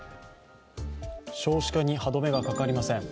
少子化に歯止めがかかりません。